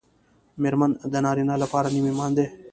مېرمن د نارینه لپاره نیم ایمان دی